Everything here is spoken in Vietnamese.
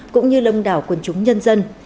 cũng như lông đảo quân chúng nhân dân